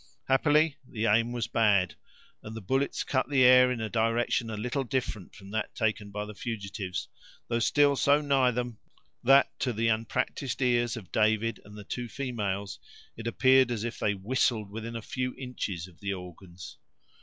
Happily, the aim was bad, and the bullets cut the air in a direction a little different from that taken by the fugitives; though still so nigh them, that to the unpractised ears of David and the two females, it appeared as if they whistled within a few inches of the organs.